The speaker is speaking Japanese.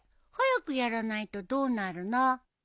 早くやらないとどうなるの？